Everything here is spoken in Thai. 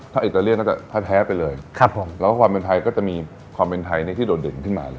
ถ้าอิตาเลียน่าจะแท้ไปเลยครับผมแล้วก็ความเป็นไทยก็จะมีความเป็นไทยที่โดดเด่นขึ้นมาเลย